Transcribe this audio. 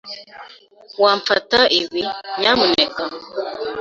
Wamfata ibi, nyamuneka?